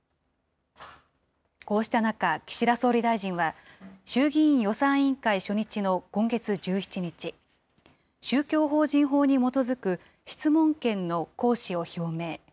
こうした中、岸田総理大臣は衆議院予算委員会初日の今月１７日、宗教法人法に基づく質問権の行使を表明。